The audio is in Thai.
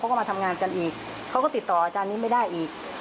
ก็มาทำงานกันอีกเขาก็ติดต่ออาจารย์นี้ไม่ได้อีก